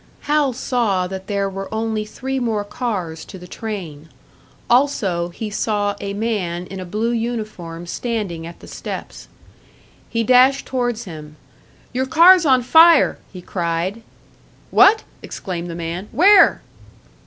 Hal saw that there were only three more cars to the train; also, he saw a man in a blue uniform standing at the steps. He dashed towards him. "Your car's on fire!" he cried. "What?" exclaimed the man. "Where?"